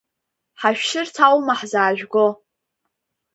Ҳашәшьырц аума ҳзаажәго?